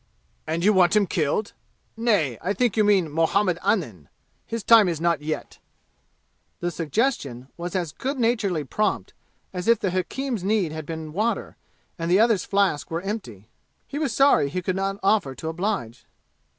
"And you want him killed? Nay, I think you mean Muhammad Anim. His time is not yet." The suggestion was as good naturedly prompt as if the hakim's need had been water, and the other's flask were empty. He was sorry he could not offer to oblige.